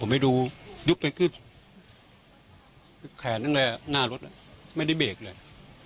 ผมไปดูยุบไปขึ้นแขนนั่นเลยหน้ารถไม่ได้เบ๊กเลย